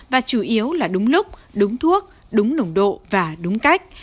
và chủ yếu là đúng lúc đúng thuốc đúng nồng độ và đúng cách